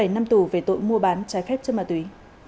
một mươi bảy năm tù về tội mua bán trái phép chân mà tùy